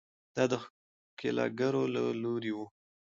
دا د ښکېلاکګرو له لوري وو.